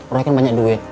roy kan banyak duit